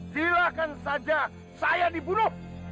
silahkan saja saya dibunuh